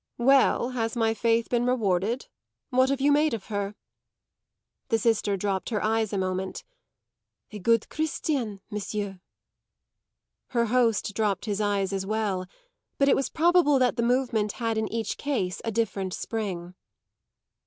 "Well, has my faith been rewarded? What have you made of her?" The sister dropped her eyes a moment. "A good Christian, monsieur." Her host dropped his eyes as well; but it was probable that the movement had in each case a different spring.